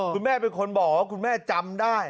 คุณแม่เป็นคนบอกว่าคุณแม่จำได้